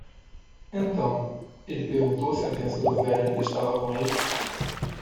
Então,? ele perguntou se a bênção do velho ainda estava com ele.